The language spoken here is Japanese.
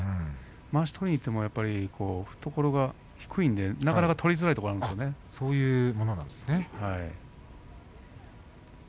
まわし取りにいっても懐が低いのでなかなか取りづらいところがあるんですね。